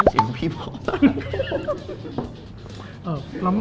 เป็นไงล่ะ